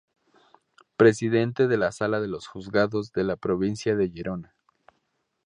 Presidente de la Sala de los juzgados de la provincia de Gerona.